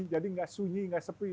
jadi nggak sunyi nggak sepi